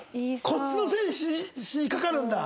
こっちのせいにしにかかるんだ。